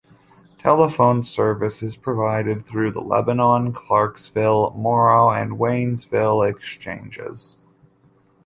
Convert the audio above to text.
Telephone service is provided through the Lebanon, Clarksville, Morrow, and Waynesville exchanges.